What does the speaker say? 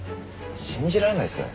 信じられないっすね。